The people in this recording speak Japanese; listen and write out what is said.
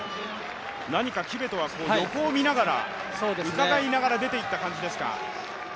何かキベトは横を見ながらうかがいながら出てった感じですか。